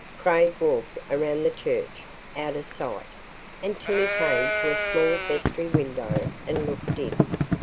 Craig walked around the church, out of sight, until he came to a small vestry window and looked in.